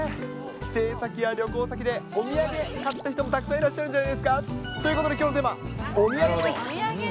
帰省先や旅行先でお土産買った人も、たくさんいらっしゃるんじゃないですか？ということできょうのテーマ、お土産です。